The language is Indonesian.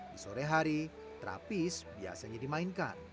di sore hari terapis biasanya dimainkan